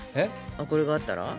あっこれがあったら？